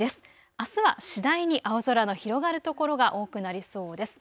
あすは次第に青空の広がる所が多くなりそうです。